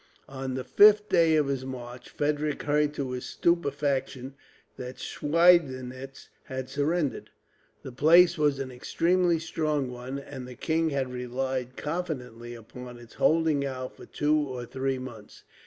On the fifth day of his march Frederick heard, to his stupefaction, that Schweidnitz had surrendered. The place was an extremely strong one, and the king had relied confidently upon its holding out for two or three months.